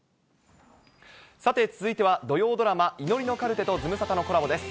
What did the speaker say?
さて続いては、土曜ドラマ、祈りのカルテとズムサタのコラボです。